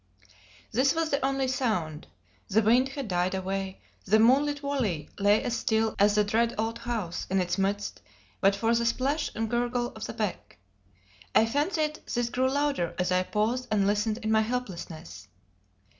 This was the only sound; the wind had died away; the moonlit valley lay as still as the dread old house in its midst but for the splash and gurgle of the beck. I fancied this grew louder as I paused and listened in my helplessness.